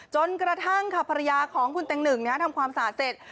จนกระทั่งค่ะภรรยาของคุณเต็งหนึ่งทำความสะอาดเสร็จ